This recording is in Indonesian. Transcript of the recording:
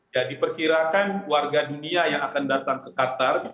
ya diperkirakan warga dunia yang akan datang ke qatar